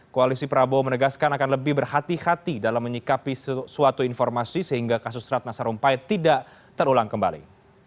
koalisi prabowo menegaskan akan lebih berhati hati dalam menyikapi suatu informasi sehingga kasus ratna sarumpait tidak terulang kembali